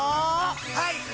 はい！